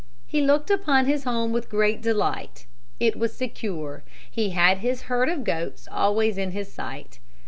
He looked upon his home with great delight. It was secure. He had his herd of goats always in his sight.